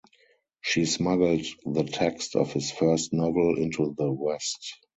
She smuggled the text of his first novel into the West.